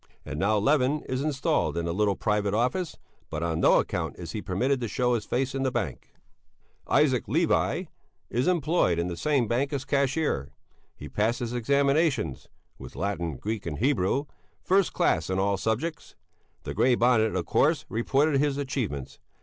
And now Levin is installed in a little private office; but on no account is he permitted to show his face in the bank. Isaac Levi is employed in the same bank as cashier. He passed his examinations (with Latin, Greek and Hebrew) first class in all subjects. The Grey Bonnet, of course, reported his achievements.